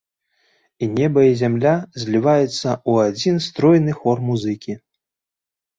І неба і зямля зліваюцца ў адзін стройны хор музыкі.